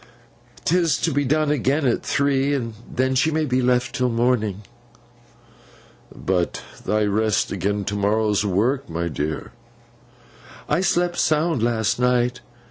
'Tis to be done again at three, and then she may be left till morning.' 'But thy rest agen to morrow's work, my dear.' 'I slept sound last night.